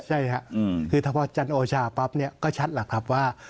ใช่ครับคือถ้าพอจันโอชาปั๊บเนี่ยก็ชัดแหละครับว่า